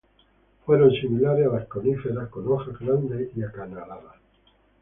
Fueron similares a las coníferas con hojas grandes y acanalados.